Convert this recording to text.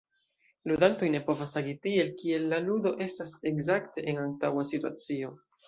Ludantoj ne povas agi tiel, kiel la ludo estas ekzakte en antaŭa situacio.